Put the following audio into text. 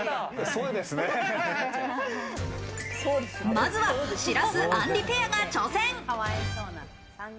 まずは白洲・あんりペアが挑戦。